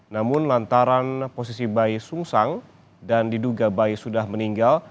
namun lantaran posisi bayi sungsang dan diduga bayi sudah meninggal